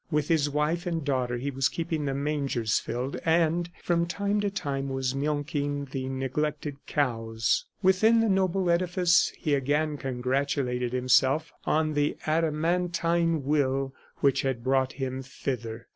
With his wife and daughter he was keeping the mangers filled, and from time to time was milking the neglected cows. Within the noble edifice he again congratulated himself on the adamantine will which had brought him thither.